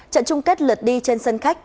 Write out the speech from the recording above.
trận chung kết lượt đi trên sân khách